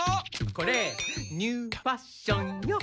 これニューファッションよ！